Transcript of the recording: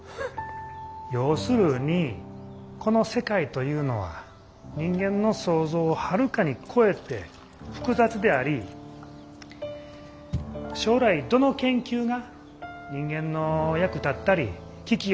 要するにこの世界というのは人間の想像をはるかに超えて複雑であり将来どの研究が人間の役立ったり危機を救うかなんて絶対予測でけへん。